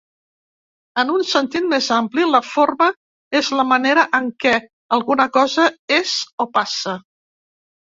En un sentit més ampli, la forma és la manera en què alguna cosa és o passa.